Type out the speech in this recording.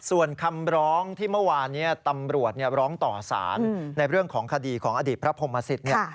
ส่วนคำร้องที่เมื่อวานนี้ตำรวจร้องต่อสารในเรื่องของคดีของอดีตพระพรหมสิต